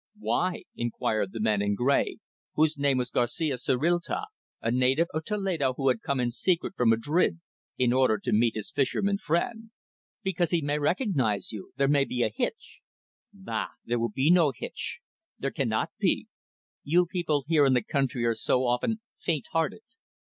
"Why?" inquired the man in grey, whose name was Garcia Zorrilta, a native of Toledo, who had come in secret from Madrid in order to meet his fisherman friend. "Because he may recognise you. There may be a hitch." "Bah! There will be no hitch. There cannot be. You people here in the country are so often faint hearted.